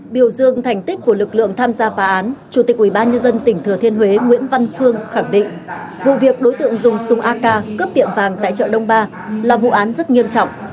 biểu dương thành tích của lực lượng tham gia phá án chủ tịch ubnd tỉnh thừa thiên huế nguyễn văn phương khẳng định vụ việc đối tượng dùng súng ak cướp tiệm vàng tại chợ đông ba là vụ án rất nghiêm trọng